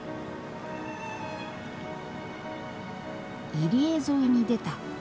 入り江沿いに出た。